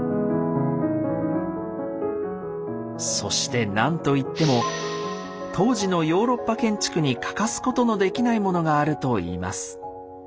そして何といっても当時のヨーロッパ建築に欠かすことのできないものがあるといいます。